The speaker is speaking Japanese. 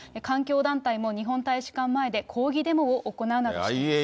環境団体も日本大使館前で抗議デモを行うなどしています。